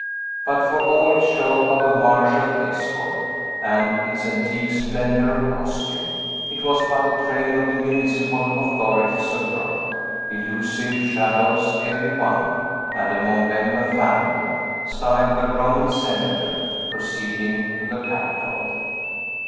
But, for all its show of a martial escort, and its antique splendor of costume, it was but a train of the municipal authorities of Rome, illusive shadows, every one, and among them a phantom, styled the Roman Senator, proceeding to the Capitol.